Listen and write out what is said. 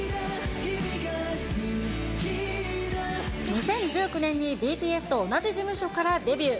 ２０１９年にＢＴＳと同じ事務所からデビュー。